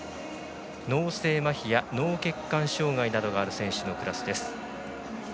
脳性まひや脳血管障がいなどがある選手のクラスです。